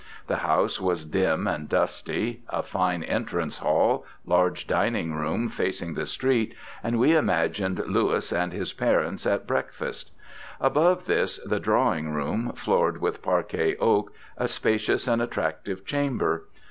The house was dim and dusty: a fine entrance hall, large dining room facing the street—and we imagined Louis and his parents at breakfast. Above this, the drawing room, floored with parquet oak, a spacious and attractive chamber.